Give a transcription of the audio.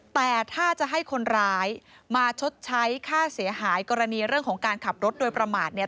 แต่ถ้าจะให้คนร้ายมาชดใช้ค่าเสียหายกรณีเรื่องของการขับรถโดยประมาทเนี่ย